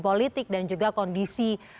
politik dan juga kondisi